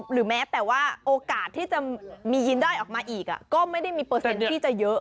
หรือแม้แต่ว่าโอกาสที่จะมียินได้ออกมาอีกก็ไม่ได้มีเปอร์เซ็นต์ที่จะเยอะ